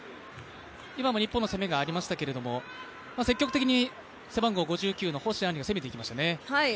今も日本の攻めがありましたけれども、積極的に星杏璃が攻めていきましたね。